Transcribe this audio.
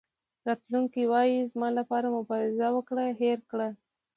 راتلونکی وایي زما لپاره مبارزه وکړه هېر کړه.